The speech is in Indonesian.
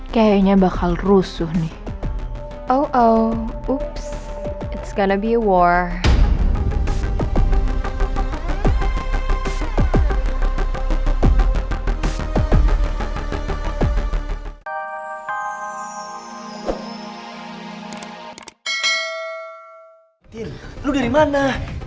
kayaknya bakal rusuh nih